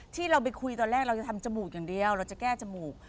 ที่เราไปคุยตอนแรกเราจะทำจมูกอย่างเดียวเราจะแก้จมูก